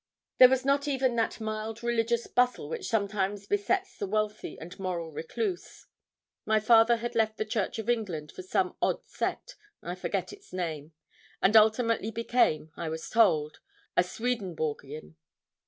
There was not even that mild religious bustle which sometimes besets the wealthy and moral recluse. My father had left the Church of England for some odd sect, I forget its name, and ultimately became, I was told, a Swedenborgian.